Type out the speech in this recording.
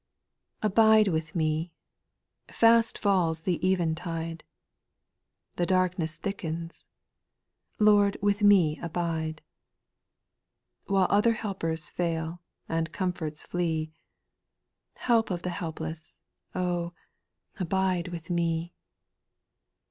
.A BIDE with me I fast falls the eventide ; xl. The darkness thickens ; Lord, with me abide ; While other helpers fail, and comforts flee, Help of the helpless, oh I abide with me.